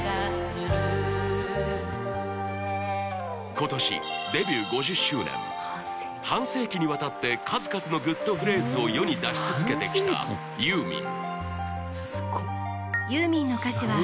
今年デビュー５０周年半世紀にわたって数々のグッとフレーズを世に出し続けてきたユーミン